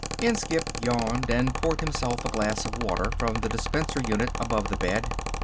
Inskipp yawned and poured himself a glass of water from the dispenser unit above the bed.